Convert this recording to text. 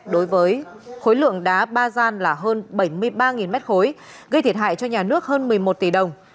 đối với khối lượng đá ba gian là hơn bảy mươi ba m ba gây thiệt hại cho nhà nước hơn một mươi một tỷ đồng